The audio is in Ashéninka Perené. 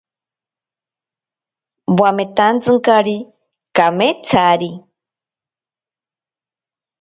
Wametantsinkari kametsari.